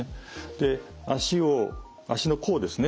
で足を足の甲ですね